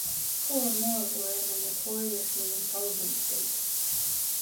Four more were in a notoriously insolvent state.